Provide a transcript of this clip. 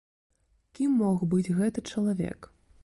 Кім мог быць гэты чалавек?